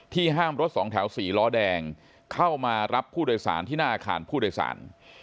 ห้ามรถสองแถวสี่ล้อแดงเข้ามารับผู้โดยสารที่หน้าอาคารผู้โดยสาร